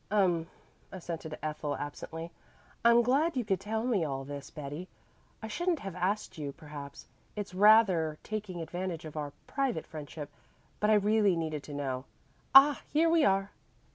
"Um," assented Ethel absently. "I'm glad you could tell me all this, Betty. I shouldn't have asked you, perhaps; it's rather taking advantage of our private friendship. But I really needed to know. Ah, here we are!"